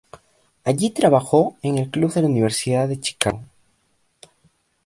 Allí trabajó en el Club de la Universidad de Chicago.